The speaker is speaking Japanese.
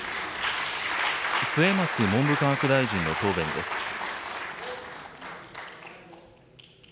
末松文部科学大臣の答弁です。